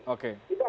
objektif tes ya